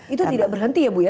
itu tidak berhenti ya bu ya